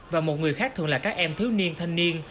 và một người khác thường là các em thiếu niên thanh niên